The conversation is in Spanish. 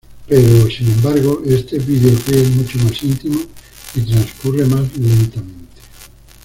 Pero, sin embargo, este videoclip es mucho más íntimo y transcurre más lentamente.